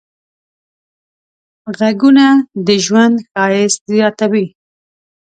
غږونه د ژوند ښایست زیاتوي.